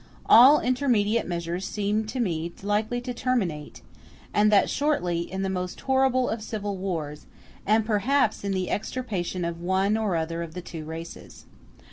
All intermediate measures seem to me likely to terminate, and that shortly, in the most horrible of civil wars, and perhaps in the extirpation of one or other of the two races.